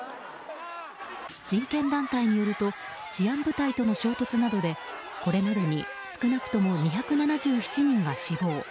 人権団体によると治安部隊との衝突などでこれまでに少なくとも２７７人が死亡。